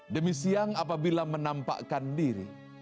demi siang apabila menampakkan diri